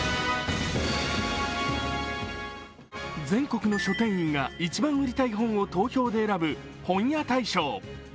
全国の書店員が一番売りたい本を投票で選ぶ本屋大賞。